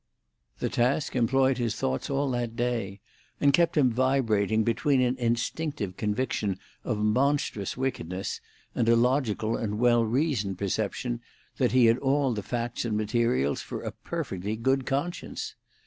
The task employed his thoughts all that day, and kept him vibrating between an instinctive conviction of monstrous wickedness and a logical and well reasoned perception that he had all the facts and materials for a perfectly good conscience.